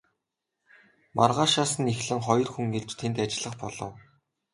Маргаашаас нь эхлэн хоёр хүн ирж тэнд ажиллах болов.